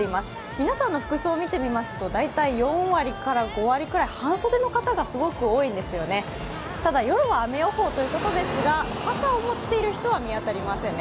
皆さんの服装を見てみますと、４割から５割くらい、半袖の方がすごく多いんですよね、ただ夜は雨予報ということですが、傘を持っている人は見当たりませんね。